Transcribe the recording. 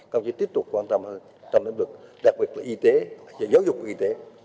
không chỉ tiếp tục quan tâm hơn trong lĩnh vực đặc biệt là y tế giáo dục y tế